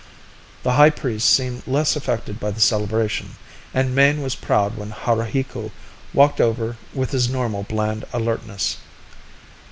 The high priest seemed less affected by the celebration, and Mayne was proud when Haruhiku walked over with his normal bland alertness.